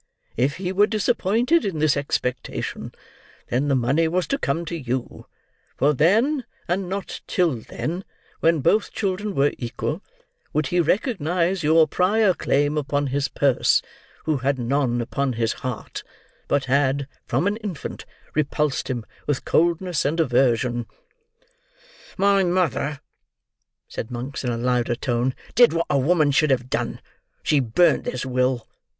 If he were disappointed in this expectation, then the money was to come to you: for then, and not till then, when both children were equal, would he recognise your prior claim upon his purse, who had none upon his heart, but had, from an infant, repulsed him with coldness and aversion." "My mother," said Monks, in a louder tone, "did what a woman should have done. She burnt this will.